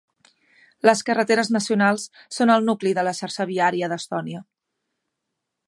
Les carreteres nacionals són el nucli de la xarxa viària d'Estònia.